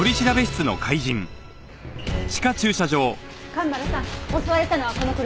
蒲原さん襲われたのはこの車？